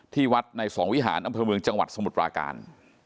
ที่วัดในสองวิหารอำเภอเมืองจังหวัดสมุทรปราการ